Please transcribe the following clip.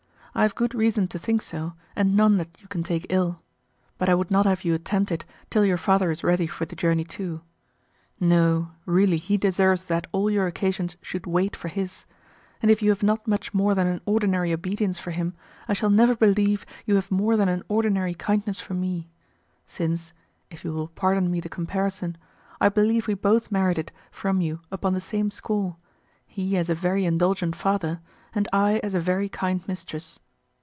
I have good reason to think so, and none that you can take ill. But I would not have you attempt it till your father is ready for the journey too. No, really he deserves that all your occasions should wait for his; and if you have not much more than an ordinary obedience for him, I shall never believe you have more than an ordinary kindness for me; since (if you will pardon me the comparison) I believe we both merit it from you upon the same score, he as a very indulgent father, and I as a very kind mistress.